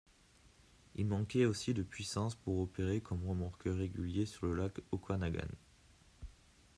Il manquait aussi de puissance pour opérer comme remorqueur régulier sur le lac Okanagan.